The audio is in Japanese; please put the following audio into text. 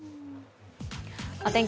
お天気